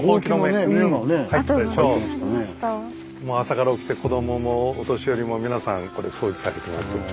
もう朝から起きて子どももお年寄りも皆さんこれ掃除されてます。